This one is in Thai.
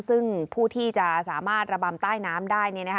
ซึ่งผู้ที่จะสามารถระบำใต้น้ำได้